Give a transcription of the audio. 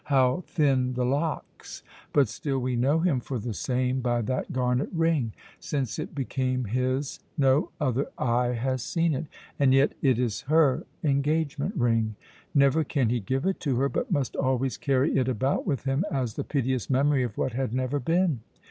How thin the locks! But still we know him for the same by that garnet ring. Since it became his no other eye has seen it, and yet it is her engagement ring. Never can he give it to her, but must always carry it about with him as the piteous memory of what had never been.